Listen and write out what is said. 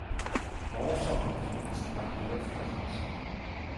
All songs mixed by Gareth Cousins.